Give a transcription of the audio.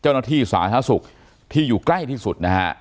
เจ้าหน้าที่สาธารณสุขที่อยู่ใกล้ที่สุดนะฮะ